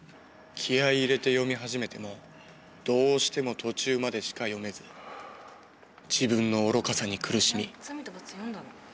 気合い入れて読み始めてもどうしても途中までしか読めず自分の愚かさに苦しみあっ「罪と罰」読んだの？